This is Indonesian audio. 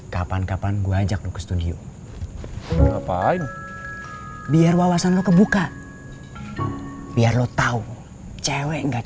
kapan kapan gua ajak lu ke studio ngapain biar wawasan lo kebuka biar lo tahu cewek enggak